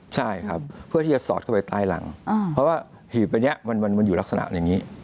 ใช่ครับเพื่อที่จะสอดเข้าไปใต้หลังเพราะว่าหีบอันนี้มันอยู่ลักษณะอย่างนี้